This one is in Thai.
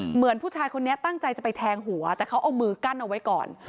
เหมือนผู้ชายคนนี้ตั้งใจจะไปแทงหัวแต่เขาเอามือกั้นเอาไว้ก่อน